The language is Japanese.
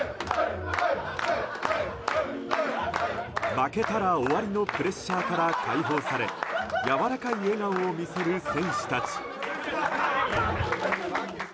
負けたら終わりのプレッシャーから解放されやわらかい笑顔を見せる選手たち。